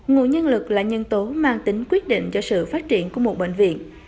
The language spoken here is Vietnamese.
nguồn nhân lực là nhân tố mang tính quyết định cho sự phát triển của một bệnh viện